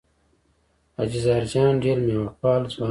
حاجي ظاهر جان ډېر مېلمه پال ځوان دی.